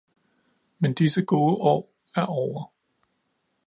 Men disse gode år er ovre.